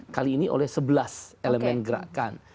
kali ini oleh sebelas elemen gerakan